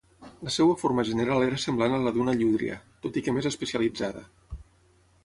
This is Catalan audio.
La seva forma general era semblant a la d'una llúdria, tot i que més especialitzada.